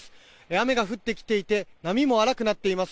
雨が降ってきていて波が荒くなっています。